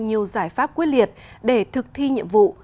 nhiều giải pháp quyết liệt để thực thi nhiệm vụ